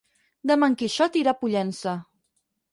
Demà en Quixot irà a Pollença.